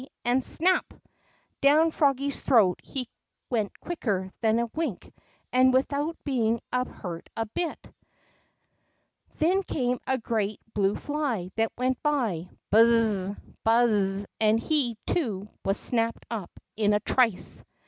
and — snap ! Down froggy's throat he went quicker than a wink, and without being hurt a bit. Then came a great blue fly that went Buz z z ! Buz z z !" and he, too, was snapped up in a trice.